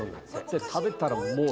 食べたらもう。